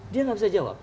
dia tidak bisa menjawab